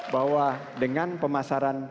bahwa dengan pemasaran